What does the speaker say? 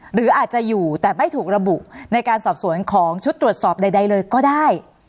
หรืออาจจะอยู่แต่ไม่ถูกระบุในการสอบสวนของชุดตรวจสอบใดเลยก็ได้